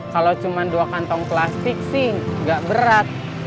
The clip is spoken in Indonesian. kalau cuma dua kantong plastik sih nggak berat